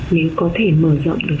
nếu có thể mở rộng được